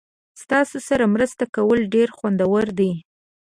ستاسو سره مرسته کول ډیر خوندور دي.